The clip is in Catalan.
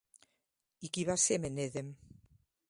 I qui va ser Menedem?